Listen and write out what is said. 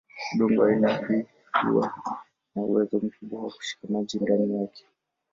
Udongo wa aina hiyo huwa na uwezo mkubwa wa kushika maji ndani yake.